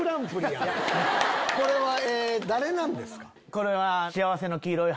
これは。